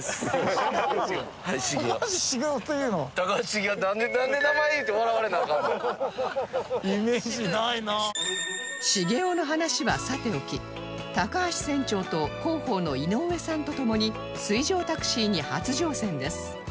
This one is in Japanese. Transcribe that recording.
茂雄の話はさておき高橋船長と広報の井上さんとともに水上タクシーに初乗船です